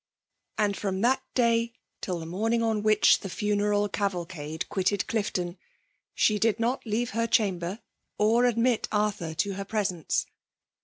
And from that day till the morning on which the funeral cavalcade quitted Clifton, she did not leave her chamber or admit Arthur to her presence.